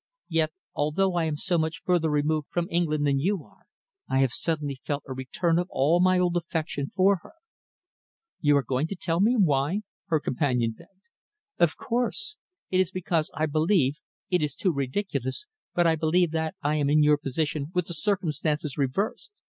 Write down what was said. Yet, although I am so much further removed from England than you are, I have suddenly felt a return of all my old affection for her." "You are going to tell me why?" her companion begged. "Of course! It is because I believe it is too ridiculous but I believe that I am in your position with the circumstances reversed.